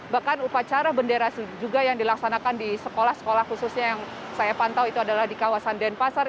bahkan upacara bendera juga yang dilaksanakan di sekolah sekolah khususnya yang saya pantau itu adalah di kawasan denpasar